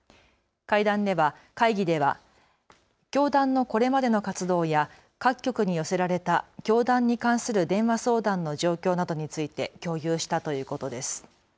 会議では教団のこれまでの活動や各局に寄せられた教団に関する電話相談の状況などについて共有したということです。